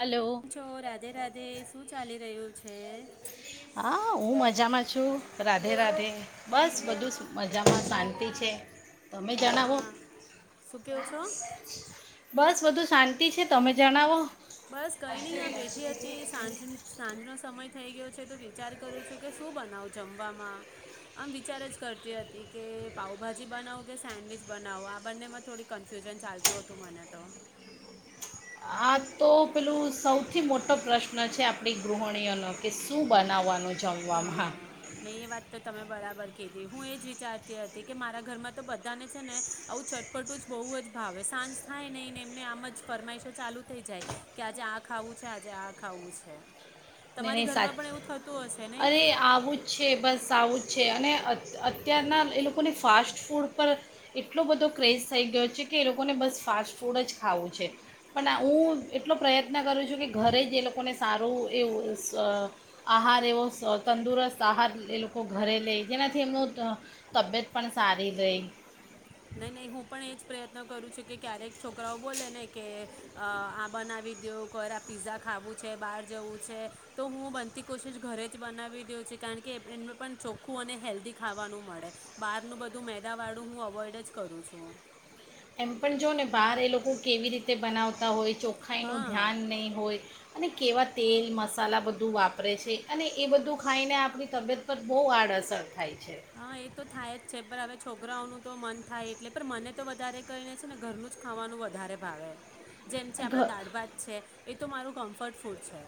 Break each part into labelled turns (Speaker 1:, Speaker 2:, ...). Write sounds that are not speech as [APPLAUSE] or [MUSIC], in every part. Speaker 1: Hello
Speaker 2: છો, રાધે, રાધે. શું ચાલી રહ્યું છે?
Speaker 1: જામ છું. રાધે, રાધે બસ
Speaker 2: અ
Speaker 1: બધું મજામાં શાંતિ છે. તમે જણાવો?
Speaker 2: હા શું કહો છો
Speaker 1: બસ બધું શાંતિ છે. તમે જણાવો?
Speaker 2: બસ કઈ નહી આ બેઠી હતી સાંજ સાંજનો સમય થઈ ગયો. વિચાર કરું છું કે શું બનાવ જમવામાં? આમ વિચાર જ કરતી હતી કે પાઉભાજી બનાવું કે સેન્ડવીિચ બનાવો આ બંનેમાં થડી કન્ફ્યુઝન ચાલતું હતું મને તો.
Speaker 1: આ તો પેલું સૌથી મોટો પ્રશ્ન છે આપણી ગૃહિણીઓનો. કે શું બનાવવાનો છે? [UNINTELLIGIBLE] હા
Speaker 2: નહીં એ વાત તો તમે બરાબર કીધી હું એ જ વિચારતી હતી કે મારા ઘરમાં તો બધાને છે ને આવું ચટપટું જ બહુ જ ભાવે સાંજ થાય નહીને એમને આમ જ ફરમાઈશો ચાલુ થઈ જાય કે આજે આ ખાવું છે, આજે આ ખાવું છે.
Speaker 1: ને
Speaker 2: તમારી
Speaker 1: એની સાચ
Speaker 2: ઘરમાં પણ એવું થતું હશે. નહીં
Speaker 1: અરે આવું જ છે, બસ આવું છે અને અત્યારના એ લોકોને ફાસ્ટ ફૂડ પર એટલો બધો ક્રેઝ થઈ ગયો છે કે એ લોકોને બસ ફાસ્ટ ફૂડ જ ખાવું છે. પણ હું એટલો પ્રયત્ન કરું છું કે ઘરે જ એ લોકોને સારું એવો આહાર એવો તંદુરસ્ત આહાર એ લોકો ઘરે લે જેનાથી એમનું તબિયત પણ સારી રહે.
Speaker 2: નહી નહીં હું પણ એ જ પ્રયત્ન કરું છું કે ક્યારેક છોકરાઓ બોલે ને કે આ બનાવી દ્યો [UNINTELLIGIBLE] પીઝા ખાવું છે બહાર જવું છે તો હું બનતી કોશિશ ઘરે જ બનાવી દઉ છુ. કારણ કે એને પણ ચોખ્ખું અને હેલ્ધી ખાવાનું મળે. બહારનું બધું મેદાવાળું હું અવોઇડ જ જ કરું છું.
Speaker 1: એમ પણ જો ને બહાર એ લોકો કેવી રીતે બનાવતા હોય ચોખાાઈનું
Speaker 2: હા
Speaker 1: ધ્યાન નહીં હોય. અને કેવા તેલ મસાલા બધું વાપરે છે અને એ બધું ખાઈને આપણી તબિયત પર બહુ આડઅસર થાય છ
Speaker 2: હા એ તો થાય જ છે. પર હવે છોકરાઓનું તો મન થાય એટલે પણ મને તો વધારે કરીને છે ને ઘરનું જ ખાવાનું વધારે ભાવે જેમ છે
Speaker 1: ઘ
Speaker 2: આપડા દાળ ભાત છે. એ તો મારું કમ્ફર્ટ ફૂડ છે.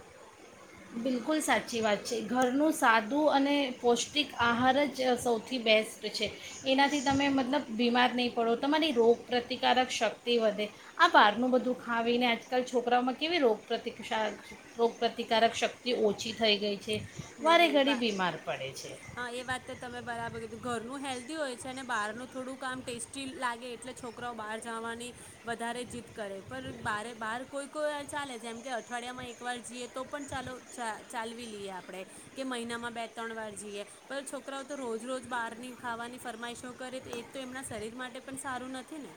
Speaker 1: બિલકુલ સાચી વાત છે. ઘરનું સાદું અને પૌષ્ટિક આહાર જ સૌથી બેસ્ટ છે એનાથી તમે મતલબ બીમાર નહીં પડો, તમારી રોગપ્રતિકારક શક્તિ વધે આ બહારનું બધું ખાવીને આજકાલ છોકરાઓમાં કેવી રોગ પ્ર્રતિકારક રોગપ્રતિકાર કારક શક્તિ ઓછી થઈ ગઈ
Speaker 2: નહીં
Speaker 1: વારે
Speaker 2: નહીં
Speaker 1: ઘડી
Speaker 2: વા
Speaker 1: બીમાર પડે છે.
Speaker 2: હા એ વાત તો તમે બરાબર કીધું ઘરનું હેલ્ધી હોય છે અને બહારનું થોડું કામ ટેસ્ટી લાગે એટલે છોકરાઓ બહાર જવાની વધારે જીદ કરે પણ બારે બહાર કોઈ કોઈ વાર ચાલે જેમ કે અઠવાડિયામાં એકવાર જઈએ તો પણ ચાલો ચા ચાલવી લઈએ આપ આપડે મહિનામાં બે ત્રણ વાર જઈએ પણ છોકરાઓ તો રોજ રોજ બહારની ખાવાની ફરમાઈશો કરે તો એ તો એમના શરીર માટે પણ સારું નથી ને.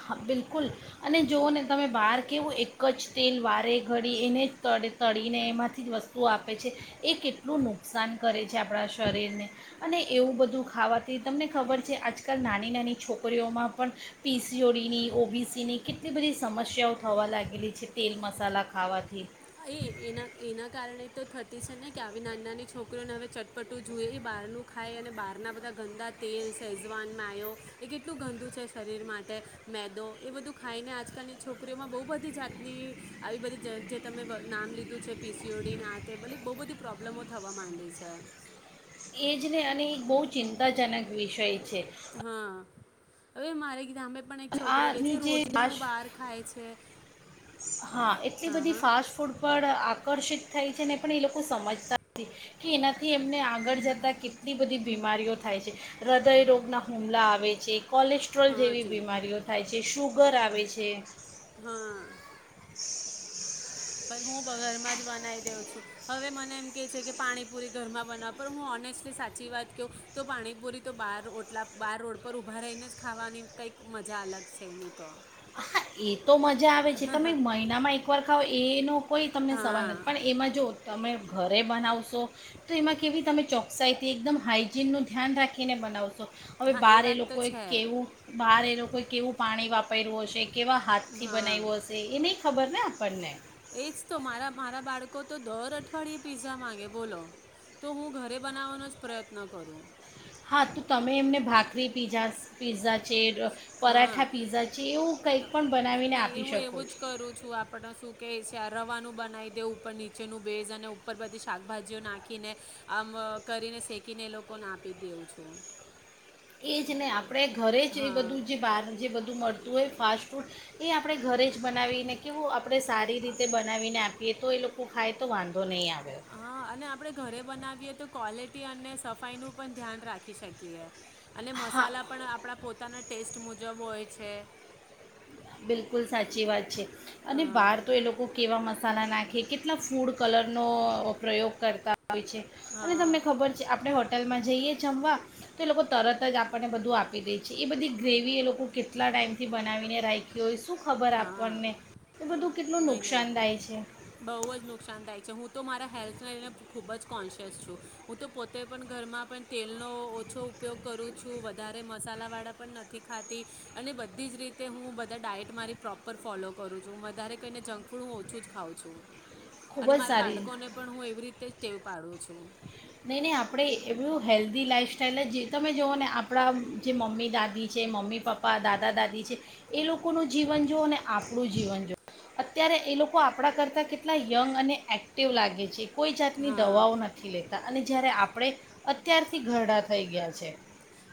Speaker 1: હા બિલકુલ અને જોઓ ને તમે બહાર કવું એક જ તેલ વારે ઘડી એને જ તે તળીને એમાંથી જ વસ્તુ આ સીઓડીની ઓપીસીની કેટલી બધી સમસ્યાઓ થવા લાગેલી છે તેલ મસાલા ખાવાથી
Speaker 2: હા એ એના કારણે તો થતી છે ને કે આ તમે નામ લીધું
Speaker 1: એજ ને અને એક બહુ ચિંતાજનક વિષય છે.
Speaker 2: હા હવે મારે [UNINTELLIGIBLE] પણ એક
Speaker 1: અને
Speaker 2: છોકરો રે છે
Speaker 1: આની જે
Speaker 2: રોજનું
Speaker 1: ફાસ્ટ
Speaker 2: બહાર ખાય છે
Speaker 1: હા એટલી
Speaker 2: હા
Speaker 1: બધી
Speaker 2: હા
Speaker 1: ફાસ્ટ ફૂડ પણ આપ આકર્ષિત થાય છે ને પણ એ લોકો સમજતા નથી કે એનાથી એમને આગળ જતાં કેટલી બધી બીમારીઓ થાય છે હૃદયરોગના હુમલા આવે છે કોલેસ્ટ્રોલ
Speaker 2: હા
Speaker 1: જેવી
Speaker 2: જી
Speaker 1: બીમારીઓ થાય છે શું ઘર આવે છે
Speaker 2: હા
Speaker 1: [INAUDIBLE]
Speaker 2: પણ હું ઘરમાં જ બનાવી દઉં છું હવે મને એમ કેહે છે કે પાણીપુરી ઘરમાં બનાવ પણ હું ઓનેસ્ટલી સાચી વાત કહું તો પાણીપુરી તો બાર ઓટલા બાર રોડ પર ઊભા રહીને જ ખાવાની કંઈક મજા અલગ છે એની તો
Speaker 1: હા એ તો મજા આવે છે તમે મહિનામાં એક વાર ખાવ એનું કોઈ તમને સવાલ
Speaker 2: હા
Speaker 1: નથી પણ એમાં જો તમે ઘરે બનાવશો તો એમાં કેવી તમે ચોકસાઈથી એકદમ હાાઈજીનનું ધ્યાન રાખીને બનાવશો હવે
Speaker 2: હા
Speaker 1: બહાર એ
Speaker 2: વાત તો
Speaker 1: લોકોએ
Speaker 2: છે
Speaker 1: કેવું બાર એ લોકો કેવું પાણી વાપર પૈરવોશેષ કેવા હાથથી
Speaker 2: હા
Speaker 1: બનાવ્યું હશે એ નહીં ખબર ને પડનેં
Speaker 2: એજ તો મારા મારા બાળકો તો દર અઠવાડિયે પિઝા માંગે બોલો તો હું ઘરે બનાવવાનો જ પ્રયત્ન કરું
Speaker 1: હા તો તમે એમને ભાખરી પીઝા પીઝા છે
Speaker 2: હા
Speaker 1: પરાઠા પીઝા છે એવું કંઈક પણ બનાવીને
Speaker 2: નહી
Speaker 1: આપી
Speaker 2: હું
Speaker 1: શકો
Speaker 2: એવું
Speaker 1: છો
Speaker 2: જ કરું છું આપડ શું કે છે રવાનું બનાવી દેવું ઉપર નીચેનું ભેઝ અને ઉપર બધી શાકભાજીઓ નાખીને આમ કરીને શેકીને એ લોકોને આપી દેઉું છું
Speaker 1: એ જ નને આપ આપણે ઘરે જ એ બધું જે
Speaker 2: હા
Speaker 1: બહાર જે બધું મળતું તું એ ફાસ્ટ ફૂડ એ આપણે ઘરે જ બનાવીને કેવું આપણે સારી રીતે બનાવીને આપીએ તો એ લોકો ખાય તો વાંધો નહીં આપે
Speaker 2: હા અને આપણે ઘરે બનાવીએ તો ક્વોલિટી અને સફાઈ નું પણ ધ્યાન રાખી શકીએ અને
Speaker 1: હા
Speaker 2: મસાલા પણ આપણા પોતાના ટેસ્ટ મુજબ હોય છે.
Speaker 1: બિલકુલ સાચી વાત છે,
Speaker 2: અ
Speaker 1: અને બહાર તો એ લોકો કેવા મસાલા નાખે કેટલા ફૂડ કલરનો પ્રયોગ કરતા હોય છે અને
Speaker 2: હા
Speaker 1: તમને ખબર છે આપણે હોટલમાં જઈએ જમવા. તો એ લોકો તરત જ આપણને બધું આપી દે છે એ બધી ગ્રેવી એ લોકો કેટલા ટાઈમથી બનાવીને રાખી જોઈશું.
Speaker 2: હા, નહી નહી
Speaker 1: નુકસાનદાય છે
Speaker 2: બહ જ નુકસાન થાય છે હું તો મારા હેલ્થને લઈને ખૂબ જ કોન્શિયસ છું હું તો પોતે પણ ઘરમાં પણ તેલનો ઓછો ઉપયોગ કરું છું વધારે મસાલાવાળા પણ નથી ખાતી, અને બધી જ રીતે હું બધા ડાયટ મારી પ્રોપર ફોલો કરું છું વધારે કહીને જંક ફૂડ હું ઓછું જ ખઉં છું.
Speaker 1: ખૂબ
Speaker 2: અને
Speaker 1: જ
Speaker 2: મારા
Speaker 1: સારી
Speaker 2: બાળકોને પણ હું એવી રીતે તેવું પાડું છું.
Speaker 1: નહીં નહી આપણે એવું હેલ્ધી લાઈફસ્ટ્ટાઈલ જે તમે જુઓ ને આપણા જે મમ્મી દાદી છે મમ્મી નહી નહી આપણે હેલ્ધી લાઇફસ્ટાઇલ જી પપ્પા દાદા દાદી છે એ લોકોનું જીવન જુઓ ને આપણું જીવન જુઓ અત્યારે એ લોકો આપણા કરતાં કેટલા યંગ અને એક્ટિવ લાગે છે. કોઈ જાતની
Speaker 2: હા
Speaker 1: દવાઓ નથી લેતી. અને જયારે આપણે અત્યારથી ઘરડા થઈ ગયા છીએ.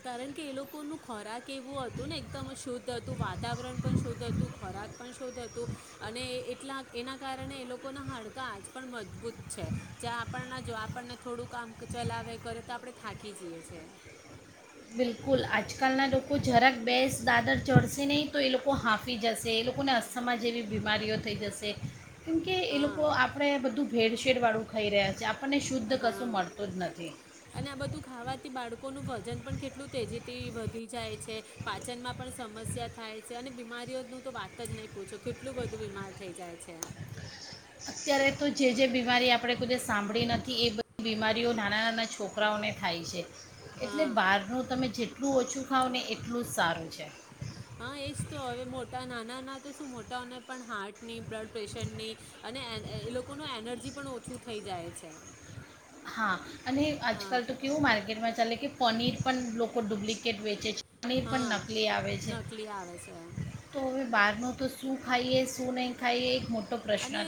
Speaker 2: કારણ કે એ લોકોનું ખોરાક એવું હતું ને એકદમ શુદ્ધ હતું વાતાવરણ પણ શુદ્ધ હતું ખોરાક પણ શુદ્ધ હતું, અને એટલા એના કારણે એ લોકોના કારણકે એ લોકોના ખોરાક એવો હતો ને એકદમ શુદ્ધ હતો, વાતાવરણ પણ શુદ્ધ હતું, ખોરાક પણ શુદ્ધ હતો એના કારણે એમના હાડકાં આજ પણ મજબૂત છે જ્યાં, આપણને જુઓ આપણને થોડું કામ ચલાવે કરે તો આપણે થાકી જઈએ છે.
Speaker 1: બિલ્કુલ આજકાલના લોકો જરાક બે દાદર ચઢશે નહીં તો એ લોકો હાંફી જશે એ લોકોને અસ્થમા જેવી બીમારીઓ થઈ જશે. કેમકે એ
Speaker 2: હા
Speaker 1: લોકો આપણે બધું ભેળ-શેળ વાળું ખાઈ રહ્યા છીએ આપ આપણને શુદ્ધ
Speaker 2: હા
Speaker 1: કશું મળતું જ નથી.
Speaker 2: લોકોનું વજન પણ કેટલું તેજીથી વધી જાય છે નું વજન પણ વધી જાય છે, પાચનમાં પણ સમસ્યા થાય છે અને બીમારીઓનું તો વાત જ નહીં પૂછો કેટલું બધું બીમાર થઈ જાય છે.
Speaker 1: અત્યારે તો જે જે બીમારી આપણે કોઇદીવસ સાંભળી નથી એ બધી બીમારીઓ નાના નાના છોકરાઓને થાય છે. એટલે
Speaker 2: હા
Speaker 1: બહારનું તમે જે [INAUDIBLE] જેટલું એટલું ઓછું ખાવ ને એટલું જ સારું છે.
Speaker 2: હા એજ તો, હવે મોટા નાના ને તો શું મોટાઓને પણ હાર્ટની બ્લડ પ્રેશરની અને એ લોકોની એનર્જી પણ ઓછું થઈ જાય છે.
Speaker 1: હા. અને
Speaker 2: હા
Speaker 1: આજકાલ તો, કેવું માર્કેટમાં ચાલે કે પનીર પણ લોકો ડુપ્લિકેટ વેચે છે [INAUDIBLE] પાણી પણ
Speaker 2: હા
Speaker 1: નકલી આવે છે
Speaker 2: નકલી આવે છે
Speaker 1: તો બહારનું તો શું ખાઈએ? શું નહીં ખાઈએ? એક મોટ
Speaker 2: અને,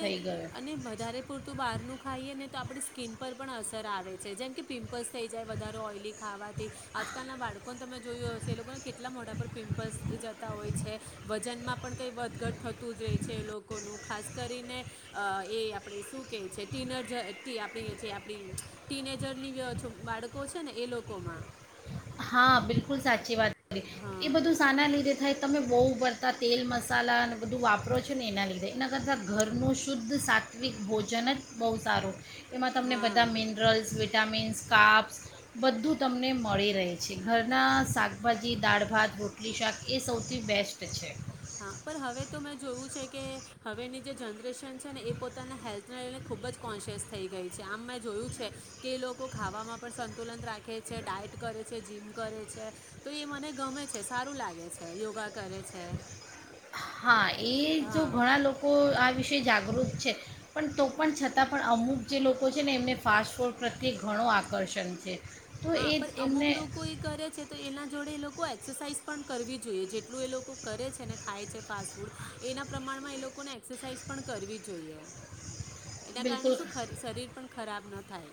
Speaker 2: અને વધારે પડતું બહારનું ખાઈએ ને તો આપણે [INAUDIBLE] સ્કીન પર પણ અસર આવે છે જેમ કે પિમ્પલ્સ થઈ જાય વધારે ઓઇલી ખાવાથી આજકાલના સ્કિન પર પણ અસર આવે છે જેમકે પિમ્પલ્સ થઈ જાય વધારે ઓયલી ખાવાથી. આજકાલના બાળકોને તમે જોયું હશે એ લોકોના કેટલા મોટા પર પિમ્પલ્સ થઈ જતા હોય છે વજનમાં પણ કંઈ વધઘટ થતું જ રહે છે લોકોનું ખાસ [INAUDIBLE] એ આપણે શું કહે છે [UNINTELLIGIBLE] જે આપણી જે આપણી ટીનેજરની બાળકો છે ને એ લોકોમાં
Speaker 1: હા. બિલ્કુલ સાચી વાત. એ
Speaker 2: હા
Speaker 1: બધું શાના લીધે થાય? તમે બહુ પડતા તેલ મસાલાને એબધું વાપરો છો ને! એના લીધે એના કરતા ઘરનું શુદ્ધ શા [INAUDIBLE] [UNINTELLIGIBLE] ભોજન જ બહુ સારું. એમાં તમને
Speaker 2: હા
Speaker 1: બધા મિનરલ્સ, વિટામિન્સ. કાર્બસ્ બધું તમને મળી રહે છે. ઘરનાં શાકભાજી, દાળ-ભાત, રોટલી-શાક એ સૌથી બેસ્ટ છે.
Speaker 2: હા. પણ હવે તો મેં જોયું છે કે હવેની જે જનરેશન છે ને એ પોતાના હેલ્થને લઈને ખૂબ જ કોન્સિયસ થઈ ગઈ છે. આમ, મેં જોયું છે કે એ લોકો ખાવામાં પણ સંતુલન રાખે છે, ડાયટ કરે છે, જીમ કરે છે તો એ મને ગમે છે સારું લાગે છે યોગા કરે છે.
Speaker 1: હા.. એ જો
Speaker 2: હા
Speaker 1: ઘણાલોકો આ વિશે જાગૃત છે.. પણ તો પણ છતાંપણ, અમુક જે લોકો છેને એમને ફાસ્ટફૂડ પ્રત્યે ઘણું આકર્ષણ છે.. તો
Speaker 2: હા
Speaker 1: એ
Speaker 2: પણ, અમુક
Speaker 1: એમને
Speaker 2: લોકો એ કરે છે તો એના જોડે એ લોકો એક્સરસાઇઝ પણ કરવી જોઈએ જેટલું એ લોકો કરે છે ને ખાય છે ફાસ્ટફૂડ એના પ્રમાણમાં એ લોકોને એક્સરસાઇઝ પણ કરવી જોઈએ. એના કારણે
Speaker 1: બિલકુલ
Speaker 2: શું [UNINTELLIGIBLE] શરીર પણ ખરાબ ન [INAUDIBLE] થાય.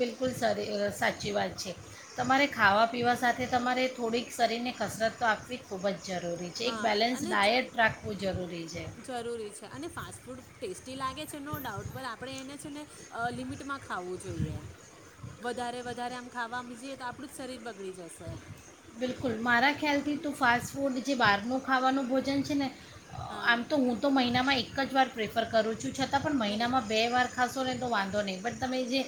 Speaker 1: બિલકુલ સરી સાચી વાત છે તમારે ખાવા પીવા સાથે તમારે થોડીક શરીરને કસરત તો આપવી ખૂબ જ જરૂરી છે એક
Speaker 2: હા
Speaker 1: બેલેન્સ
Speaker 2: અને
Speaker 1: ડાયટ રાખવું જરૂરી છે
Speaker 2: જરૂરી છે અને ફાસ્ટ ફૂડ ટેસ્ટી લાગે છે નો ડાઉટ પણ આપણે એને છે ને લિમિટમાં ખાવું જોઈએ વધારે વધારે આમ ખાવા બીજીએ તો આપણું જ શરીર બગડી જશે.
Speaker 1: બિલકુલ મારા ખ્યાલથી તું ફાસ્ટ ફૂડ જે બહારનું ખાવાનું ભોજન છે ને આમ તો
Speaker 2: હા
Speaker 1: હું તો મહિનામાં એક એક જ વાર પ્રેફર કરું છું. પછ છતાં પણ
Speaker 2: નહીં
Speaker 1: મહિનામાં બે વાર ખાસ ને તો વાંધો નહીં પણટ તમે જે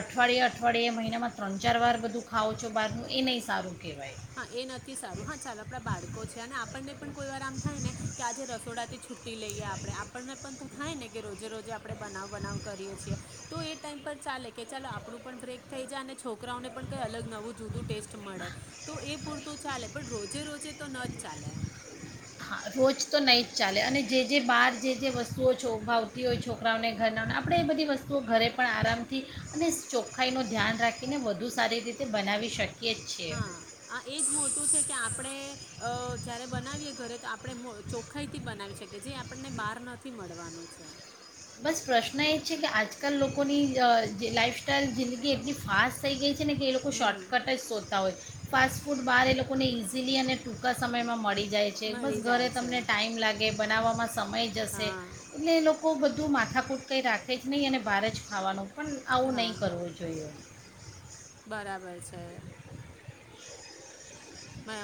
Speaker 1: અઠવાડિયે અઠવાડિયે મહિનામાં ત્રણ ચાર વાર બધું ખાવઓ છો બહારનું એ નહીં સારું. ઓકે.
Speaker 2: હા એ નથી સારું હા ચાલ આપણા બાળકો છે અને આપણને પણ કોઈ વાર આમ થાય ને કે આજે રસોડા થી છુટી લઈએ આપડણે આપણને પણ થાય ને કે રોજે રોજે આપણે બનાવ બનાવ કરીએ છીએ. તો એ ટાઈમ પર ચાલે કે ચાલો આપણું પણ બ્રેક થઈ જાય અને છોકરાઓને પણ કઈ અલગ નવું જુદું ટેસ્ટ મળે. તો એ પૂરતું ચાલે પણ રોજે રોજે તો ન જ ચાલે.
Speaker 1: હા રોજ તો નહીં જ ચાલે અને જે જે બહાર જે જે વસ્તુઓોાવતી હોય છોકરાઓને ઘરનાઓને આપણે એ બધી વસ્તુઓ ઘરે પણ આરામથી અને ચોખ્ખાઈનું ધ્યાન રાખીને વધુ સારી રીતે બનાવી શકીએ. જ છીએ
Speaker 2: હા આ એજ મોટું છે કે આપણેે અ જયારે બનાવીયએ ઘરે તો આપ આપણે ચોખાઈ થી બનાવી શકીએ જે આપણને બહાર નથી મળવાનું છે.
Speaker 1: બસ પ્રશ્ન એ છે કે આજકાલ લોકોની જે લાઈફસ્ટાઇલ જિંદગી એટલી ફાસ્ટ થઈ ગઈ છે. ને કે એ લોકો
Speaker 2: હમ
Speaker 1: શોર્ટકટ જ શોધતા હોય. ફાસ્ટ ફૂડ બહાર એ લોકોને ઇઝીલી અને ટૂંકા સમયમાં મળી જાય છે
Speaker 2: મળી
Speaker 1: બસ ઘરે
Speaker 2: જાય છે
Speaker 1: તમને ટાઈમ લાગે. બનાવવામાં. સમય જશે
Speaker 2: હા
Speaker 1: એટલે એ લોકો બધા તું માથાકૂટ કંઈ રાખે જ નહીં અને બહાર જ ખાવાનું પણ આવું
Speaker 2: હા
Speaker 1: નહીં કરવું જોઈએ.
Speaker 2: બરાબર છે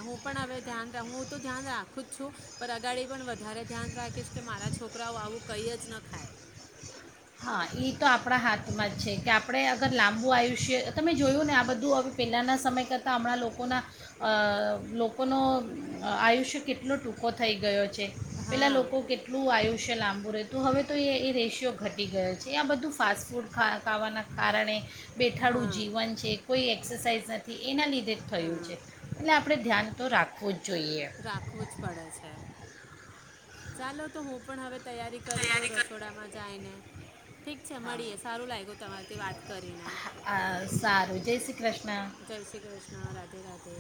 Speaker 2: હું પણ હવે ધ્યાન હું તો ધ્યાન રાખું જ છું પણ અગાડી પણ વધારે ધ્યાન રાખીશ કે મારા છોકરાઓ આવું કઈ જ ન ખાય
Speaker 1: હા એ તો આપણા હાથમાં જ છે કે આપણે અગર લાંબુ આયુષ્ય તમે જોયું ને આ બધું હવે પહેલાંના સમય કરતાં હમણાં લોકોના લોકોનો આયુષ્ય કેટલો ટૂંકો થઈ ગયો છે પેલા
Speaker 2: હા
Speaker 1: લોકો કેટલું આયુષ લાંબુ રહેતું હવે તો એ રેશિયો ઘટ ઘટી ગયો છે આ બધું ફાસ્ટ ફૂડ ખા ખાવાના કારણે બેઠાડું
Speaker 2: હા
Speaker 1: જીવન છે કોઈ એક્સરસાઇઝ નથી એના લીધે થયું
Speaker 2: હા
Speaker 1: છે એટલે આપ આપણે ધ્યાન તો રાખવું જ જોઈએ
Speaker 2: રાખવું જ પડે છે ચાલો તો હું પણ હવે તૈયારી કરી લે
Speaker 1: તૈયારી કર
Speaker 2: રસોડામાં જાયને ઠીક છે
Speaker 1: હા
Speaker 2: મળીએ સારું લાગ્યું તમારીથી વાત કરીને
Speaker 1: હા, સારું જય શ્રી કૃષ્ણ
Speaker 2: જય શ્રી કૃષ્ણ રાધે રાધે